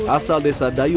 asal desa dayuwa